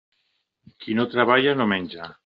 Qui no treballa, no menja.